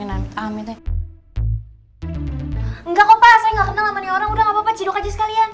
udah gak apa apa cidok aja sekalian